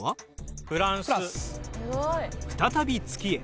再び月へ！